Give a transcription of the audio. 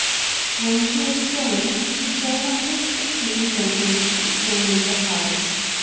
When he was gone, Keejaanaa took the keys and went to examine the house.